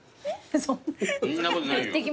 そんなことないよ。